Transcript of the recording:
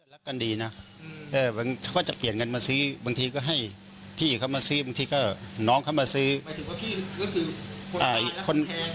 หมายถึงว่าที่ก็คือคนตายและคนแทง